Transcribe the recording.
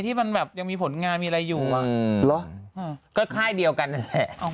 ที่มันแบบยังมีผลงานมีอะไรอยู่ก็ค่ายเดียวกันนั่นแหละ